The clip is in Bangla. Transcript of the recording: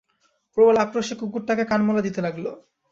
প্রবল আক্রোশে কুকুরটাকে কান-মলা দিতে লাগল।